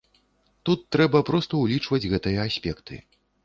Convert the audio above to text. Тут трэба проста ўлічваць гэтыя аспекты.